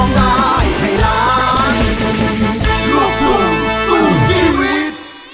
อยากเป็นอะไรบอกให้อาย